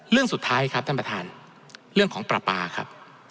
เรื่องสุดท้ายครับท่านประธานเรื่องของปลาปลาครับ